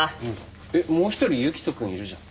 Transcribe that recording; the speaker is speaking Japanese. えっもう一人行人くんいるじゃん。